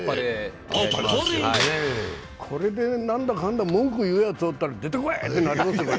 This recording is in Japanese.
これで何だかんだ文句言うやつおったら出てこい！ですね。